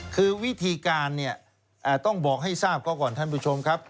คือวิธีการเนี่ยต้องบอกให้ทราบเขาก่อนท่านผู้ชมครับ